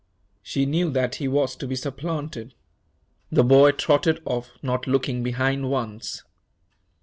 She knew that he was to be supplanted. The boy trotted off, not looking behind once.